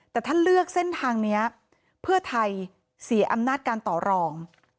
แต่ถ้าเลือกเส้นทางนี้เพื่อไทยเสียอำนาจการต่อรอง